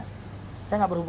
saya gak kenal sama burangnya